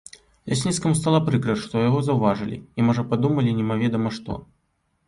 Лясніцкаму стала прыкра, што яго заўважылі і, можа, падумалі немаведама што.